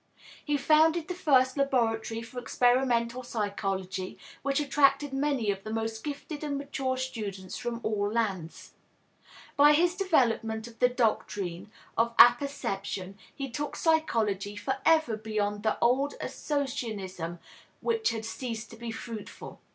He founded the first laboratory for experimental psychology, which attracted many of the most gifted and mature students from all lands. By his development of the doctrine of apperception he took psychology forever beyond the old associationism which had ceased to be fruitful.